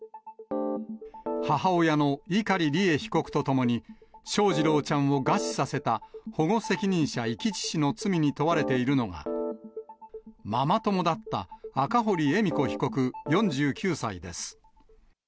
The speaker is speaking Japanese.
母親の碇利恵被告とともに、翔士郎ちゃんを餓死させた保護責任者遺棄致死の罪に問われているのが、ママ友だった赤堀恵美子被告４９歳です。